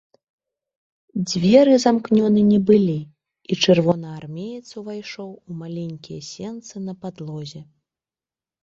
Дзверы замкнёны не былі, і чырвонаармеец увайшоў у маленькія сенцы на падлозе.